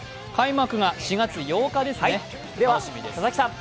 開幕が４月８日ですね。